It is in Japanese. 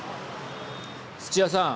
土屋さん。